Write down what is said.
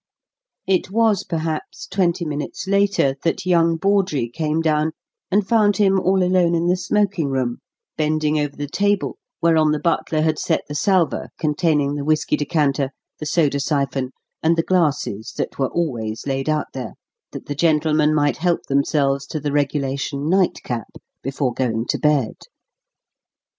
It was, perhaps, twenty minutes later that young Bawdrey came down and found him all alone in the smoking room, bending over the table whereon the butler had set the salver containing the whiskey decanter, the soda siphon, and the glasses that were always laid out there, that the gentlemen might help themselves to the regulation "night cap" before going to bed.